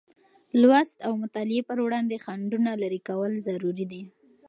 لوست او مطالعې پر وړاندې خنډونه لېرې کول ضروري دی.